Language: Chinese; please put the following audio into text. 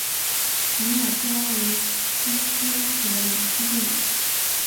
长脚赤蛙为蛙科蛙属的两栖动物。